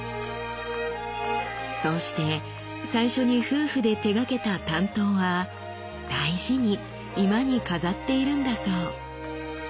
そうして最初に夫婦で手がけた短刀は大事に居間に飾っているんだそう。